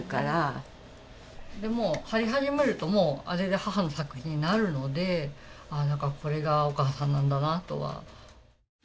もう貼り始めるともうあれで母の作品になるのでこれがお母さんなんだなとは。